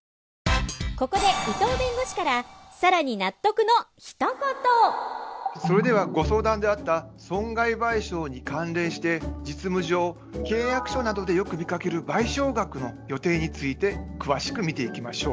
ここでそれではご相談であった損害賠償に関連して実務上契約書などでよく見かける賠償額の予定について詳しく見ていきましょう。